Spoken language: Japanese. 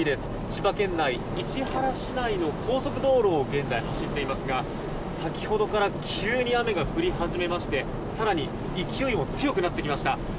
千葉県内市原市内の高速道路を現在、走っていますが先ほどから急に雨が降り初めまして更に勢いも強くなってきました。